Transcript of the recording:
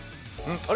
あれ？